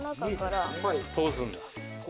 通すんだ！